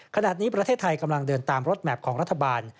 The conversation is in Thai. ขณะนี้ประเทศไทยกำลังเดินตามรถแมพของรัฐบาล